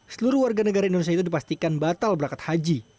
seluruh warga negara indonesia itu dipastikan batal berangkat haji